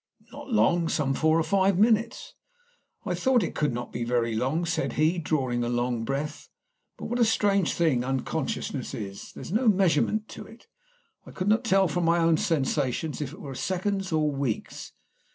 "Not long. Some four or five minutes." "I thought it could not be very long," said he, drawing a long breath. "But what a strange thing unconsciousness is! There is no measurement to it. I could not tell from my own sensations if it were seconds or weeks.